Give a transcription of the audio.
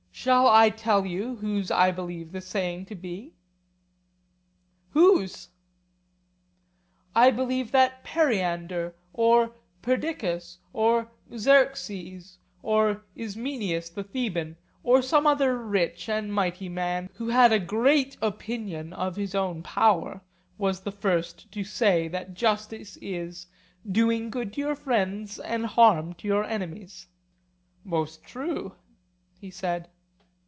Shall I tell you whose I believe the saying to be? Whose? I believe that Periander or Perdiccas or Xerxes or Ismenias the Theban, or some other rich and mighty man, who had a great opinion of his own power, was the first to say that justice is 'doing good to your friends and harm to your enemies.' Most true, he said.